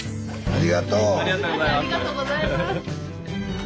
ありがとう。